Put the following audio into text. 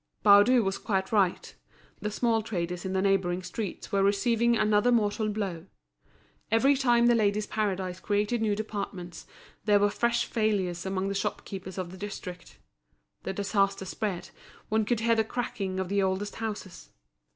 Baudu was quite right. The small traders in the neighbouring streets were receiving another mortal blow. Every time The Ladies' Paradise created new departments there were fresh failures among the shopkeepers of the district. The disaster spread, one could hear the cracking of the oldest houses.